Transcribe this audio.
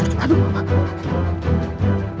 aduh pak mai